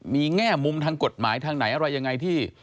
มีแง่มุมทางกฎหมายทางไหนอะไรยังไงที่